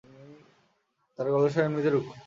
তাঁর গলার স্বর এমনিতেই রুক্ষ।